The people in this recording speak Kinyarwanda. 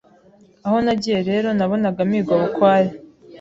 Aho nagiye rero nabonaga mpigwa bukware